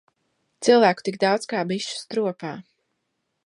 Cilvēku tik daudz kā bišu stropā.